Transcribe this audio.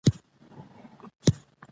ته ډېر ښه سړی یې.